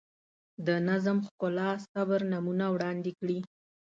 د نظم، ښکلا، صبر نمونه وړاندې کړي.